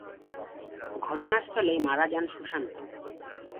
ঘটনাস্থলেই মারা যান সুশান্ত।